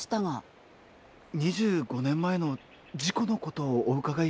２５年前の事故のことをお伺いしたいんですが。